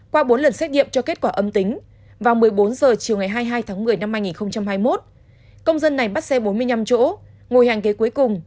qua bốn lần xét nghiệm cho kết quả âm tính vào một mươi bốn h chiều ngày hai mươi hai tháng một mươi năm hai nghìn hai mươi một công dân này bắt xe bốn mươi năm chỗ ngồi hàng ghế cuối cùng